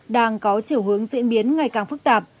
đang có chiều hướng diễn biến ngày càng phức tạp